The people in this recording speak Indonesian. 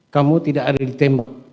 kamu tidak ada ditembak